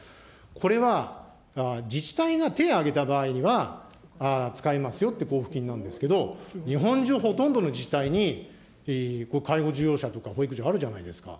これは自治体が手挙げた場合には、使えますよって交付金なんですけど、日本中、ほとんどの自治体に介護事業者とか保育所、あるじゃないですか。